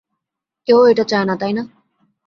কেউ এটা চায় না, তাই না?